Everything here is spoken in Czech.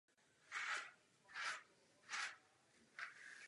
Během studií spolu s kolegy založil časopis "Crane Bag".